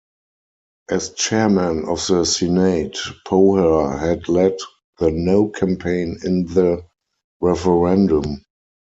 As Chairman of the Senate, Poher had led the "no" campaign in the referendum.